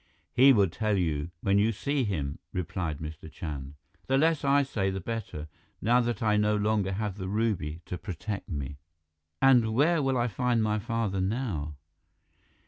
"He will tell you when you see him," replied Mr. Chand. "The less I say, the better, now that I no longer have the ruby to protect me." "And where will I find my father now?"